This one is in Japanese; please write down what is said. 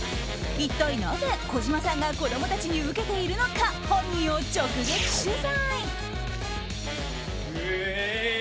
一体なぜ小島さんが子供たちにウケているのか本人を直撃取材。